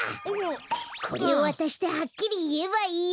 これをわたしてはっきりいえばいいよ。